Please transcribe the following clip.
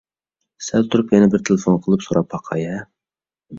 سەل تۇرۇپ يەنە بىر تېلېفون قىلىپ سوراپ باقاي-ھە.